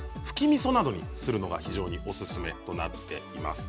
みそなどにするのが非常にオススメとなっています。